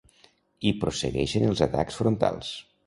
I prossegueixen els atacs frontals.